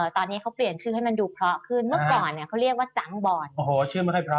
ตอนนี้เขาเปลี่ยนชื่อให้มันดูเพราะขึ้นเมื่อก่อนเขาเรียกว่าจังก์บอร์น